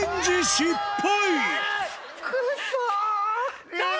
失敗